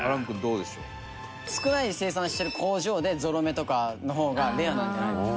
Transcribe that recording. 少ない生産してる工場でゾロ目とかの方がレアなんじゃないですか？